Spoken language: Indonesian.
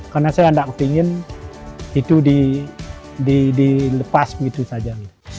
karena saya tidak ingin itu dilepas begitu saja